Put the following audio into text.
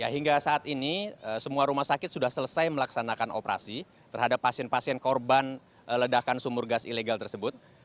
hingga saat ini semua rumah sakit sudah selesai melaksanakan operasi terhadap pasien pasien korban ledakan sumur gas ilegal tersebut